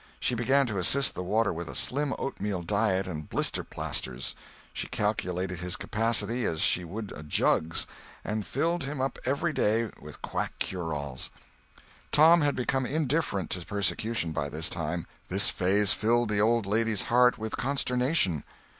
She began to assist the water with a slim oatmeal diet and blister plasters. She calculated his capacity as she would a jug's, and filled him up every day with quack cure alls. Tom had become indifferent to persecution by this time. This phase filled the old lady's heart with consternation.